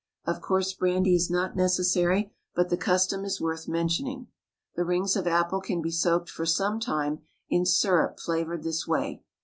Of course, brandy is not necessary, but the custom is worth mentioning. The rings of apple can be soaked for some time in syrup flavoured this way.